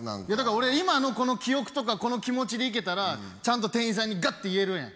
俺今のこの記憶とかこの気持ちでいけたらちゃんと店員さんにガッて言えるやん。